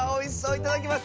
いただきます。